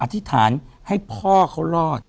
ธิษฐานให้พ่อเขารอด